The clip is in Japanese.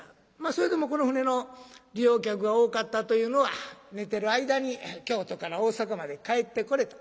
それでもこの船の利用客が多かったというのは寝てる間に京都から大坂まで帰ってこれた。